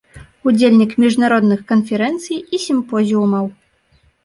Удзельнік міжнародных канферэнцый і сімпозіумаў.